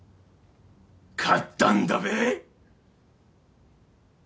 勝ったんだべ？